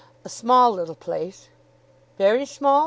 "A small little place." "Very small?